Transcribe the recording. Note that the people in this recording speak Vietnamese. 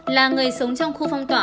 là người sống trong khu phong tỏa